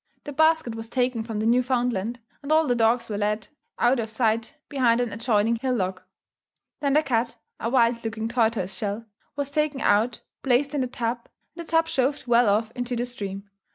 The basket was taken from the Newfoundland, and all the dogs were led out of sight behind an adjoining hillock. Then the cat a wild looking tortoise shell was taken out, placed in the tub, and the tub shoved well off into the stream.